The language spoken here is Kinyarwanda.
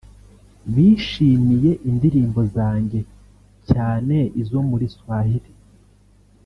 bishimiye indirimbo zanjye cyane izo muri Swahili